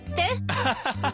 アハハハハ。